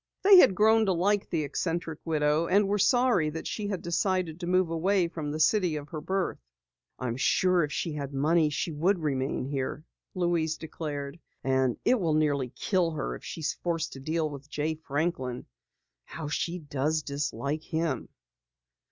They had grown to like the eccentric widow and were sorry that she had decided to move away from the city of her birth. "I am sure if she had money she would remain here," Louise declared. "And it will nearly kill her if she is forced to deal with Jay Franklin. How she does dislike him!"